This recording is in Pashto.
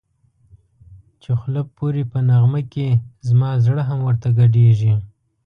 چی خوله پوری په نغمه کی زما زړه هم ورته گډېږی